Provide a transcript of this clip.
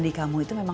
aku mau ke sana